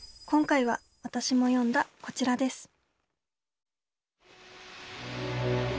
今回は私も読んだこちらです。